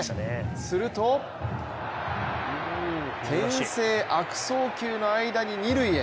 すると牽制悪送球の間に二塁へ。